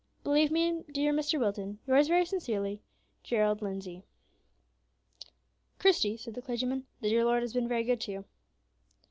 "Believe me, dear Mr. Wilton, "Yours very sincerely, "GERALD LINDESAY." "Christie," said the clergyman, "the dear Lord has been very good to you."